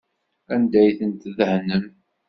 Anda ay ten-tdehnem?